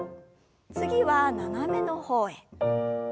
次は斜めの方へ。